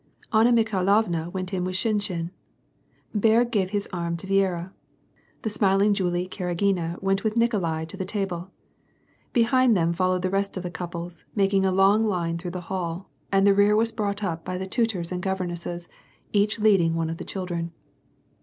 Anna Mikhailovna went with Shinshin. Berg gave his arm to Viera. The smiling Julie Karagina went with Nikolai to the table. Behind them followed the rest in couples, making a long line through the hall, and the rear was brought up by the tutors and governesses, each leading one of the children.